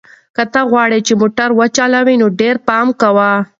که ته غواړې چې موټر وچلوې نو ډېر پام کوه.